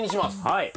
はい。